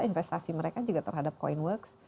investasi mereka juga terhadap coinworks